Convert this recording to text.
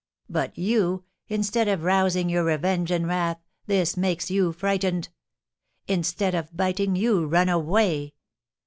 But you, instead of rousing your revenge and wrath, this makes you frightened! Instead of biting, you run away!